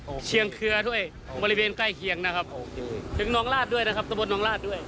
เชียงเครือด้วยบริเวณใกล้เคียงนะครับถึงน้องลาดด้วยนะครับตะบนน้องลาดด้วย